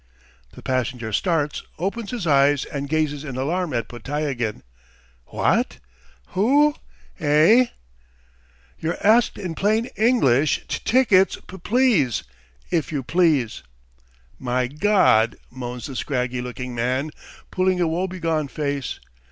The passenger starts, opens his eyes, and gazes in alarm at Podtyagin. "What? ... Who? ... Eh?" "You're asked in plain language: t t tickets, p p please! If you please!" "My God!" moans the scraggy looking man, pulling a woebegone face.